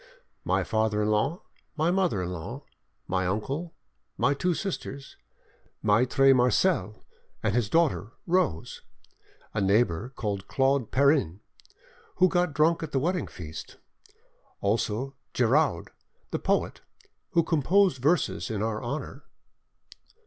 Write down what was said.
"My father in law, my mother in law, my uncle, my two sisters, Maitre Marcel and his daughter Rose; a neighbour called Claude Perrin, who got drunk at the wedding feast; also Giraud, the poet, who composed verses in our honour."